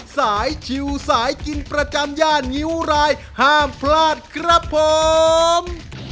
สายชิวสายกินประจำย่านงิ้วรายห้ามพลาดครับผม